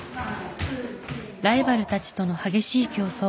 ライバルたちとの激しい競争。